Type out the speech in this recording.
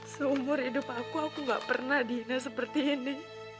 seumur hidup aku aku gak pernah dihina seperti ini